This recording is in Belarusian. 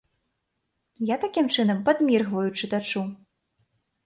Я такім чынам падміргваю чытачу.